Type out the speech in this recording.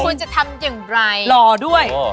คุณจะทำอย่างไรรอด้วย